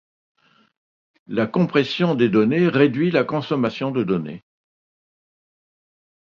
La compression des données réduit la consommation de donnée.